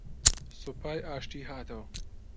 سوپای ئاشتی هاتەوە